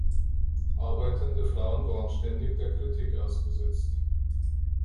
Arbeitende Frauen waren ständig der Kritik ausgesetzt.